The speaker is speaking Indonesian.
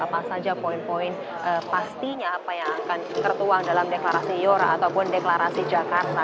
apa saja poin poin pastinya apa yang akan tertuang dalam deklarasi ayora ataupun deklarasi jakarta